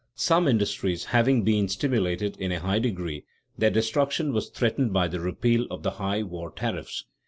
Some industries having been "stimulated" in a high degree, their destruction was threatened by the repeal of the high war tariffs.